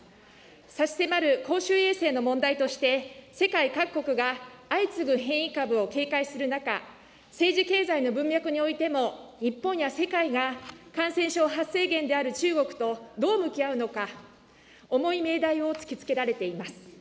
差し迫る公衆衛生の問題として、世界各国が、相次ぐ変異株を警戒する中、政治・経済の文脈においても、日本や世界が感染症発生源である中国とどう向き合うのか、重い命題を突きつけられています。